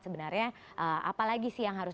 sebenarnya apa lagi sih yang harus